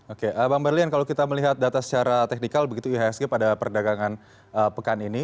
oke bang berlian kalau kita melihat data secara teknikal begitu ihsg pada perdagangan pekan ini